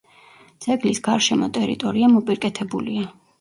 ძეგლის გარშემო ტერიტორია მოპირკეთებულია.